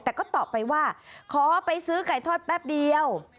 แต่ก็ตอบไปว่าขอไปซื้อไก่ทอดแป๊บเดียว